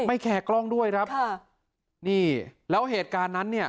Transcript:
แคร์กล้องด้วยครับค่ะนี่แล้วเหตุการณ์นั้นเนี่ย